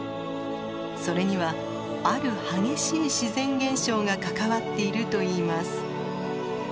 それにはある激しい自然現象が関わっているといいます。